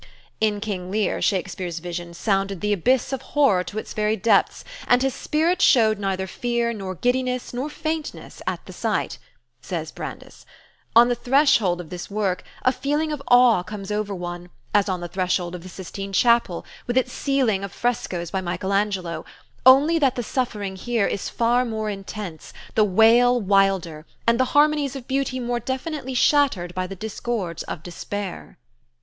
"In 'King Lear,' Shakespeare's vision sounded the abyss of horror to its very depths, and his spirit showed neither fear, nor giddiness, nor faintness, at the sight," says Brandes. "On the threshold of this work, a feeling of awe comes over one, as on the threshold of the Sistine Chapel, with its ceiling of frescoes by Michael Angelo, only that the suffering here is far more intense, the wail wilder, and the harmonies of beauty more definitely shattered by the discords of despair."